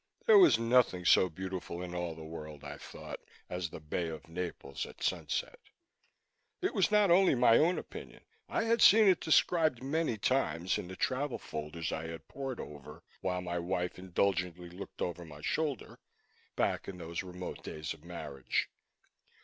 There was nothing so beautiful in all the world, I thought, as the Bay of Naples at sunset. It was not only my own opinion; I had seen it described many times in the travel folders I had pored over, while my wife indulgently looked over my shoulder, back in those remote days of marriage.